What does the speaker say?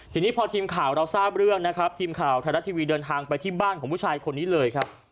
ทีนี้พอทีมข่าวเราทราบเรื่องนะครับทีมข่าวไทยรัฐทีวีเดินทางไปที่บ้านของผู้ชายคนนี้เลยครับ